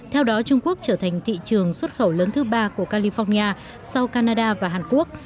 theo đó trung quốc trở thành thị trường xuất khẩu lớn thứ ba của california sau canada và hàn quốc